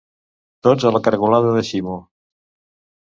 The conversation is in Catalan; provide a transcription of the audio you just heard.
Tots a la caragolada de Ximo.